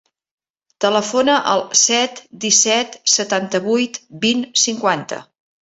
Telefona al set, disset, setanta-vuit, vint, cinquanta.